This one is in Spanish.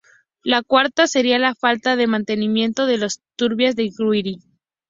La cuarta seria la falta de mantenimiento de las turbinas del Guri.